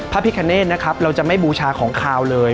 พระพิคเนธนะครับเราจะไม่บูชาของขาวเลย